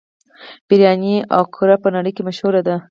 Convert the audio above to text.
بریاني او کري په نړۍ کې مشهور دي.